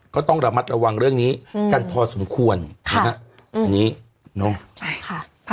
ก็ต้องระมัดระวังเรื่องนี้กันพอสมควรนะฮะอันนี้เนอะใช่ค่ะ